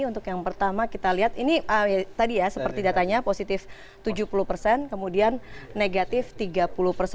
untuk yang pertama kita lihat ini tadi ya seperti datanya positif tujuh puluh persen kemudian negatif tiga puluh persen